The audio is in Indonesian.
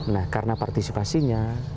nah karena partisipasinya